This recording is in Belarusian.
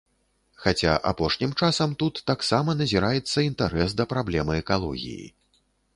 Хаця апошнім часам тут таксама назіраецца інтарэс да праблемы экалогіі.